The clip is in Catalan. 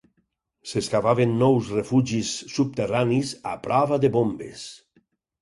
S'excavaven nous refugis subterranis a prova de bombes